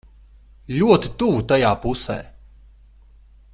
Ļoti tuvu tajā pusē.